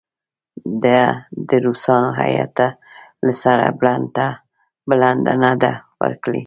ده د روسانو هیات ته له سره بلنه نه ده ورکړې.